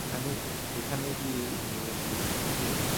এইখানেই কি মেয়েপুরুষের ভেদ।